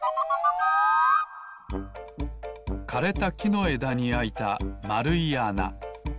かれたきのえだにあいたまるいあな。